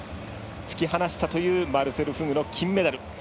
突き放したというマルセル・フグの金メダル。